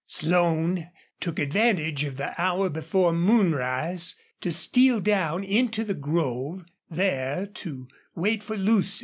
Slone took advantage of the hour before moonrise to steal down into the grove, there to wait for Lucy.